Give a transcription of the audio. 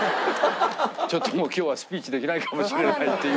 もう今日はスピーチできないかもしれないっていうぐらいね。